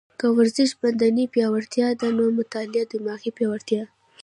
که ورزش بدني پیاوړتیا ده، نو مطاله دماغي پیاوړتیا ده